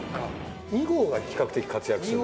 ２号が比較的活躍する。